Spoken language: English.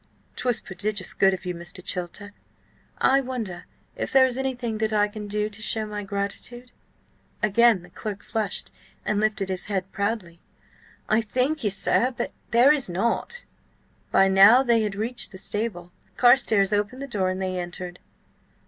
'Twas prodigious good of you, Mr. Chilter. I wonder if there is anything that I can do to show my gratitude?" Again the clerk flushed and lifted his head proudly. "I thank you, sir, but there is nought." By now they had reached the stable. Carstares opened the door and they entered.